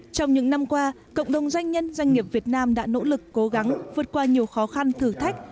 trong những năm qua cộng đồng doanh nhân doanh nghiệp việt nam đã nỗ lực cố gắng vượt qua nhiều khó khăn thử thách